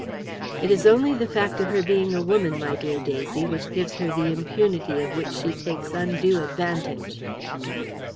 "It is only the fact of her being a woman, my dear Daisy, which gives her the impunity of which she takes undue advantage."